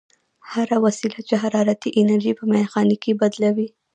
هره وسیله چې حرارتي انرژي په میخانیکي بدلوي.